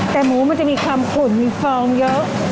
แต่หมูมันจะมีความขุ่นมีฟองเยอะ